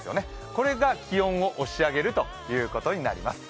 これが気温を押し上げるということになります。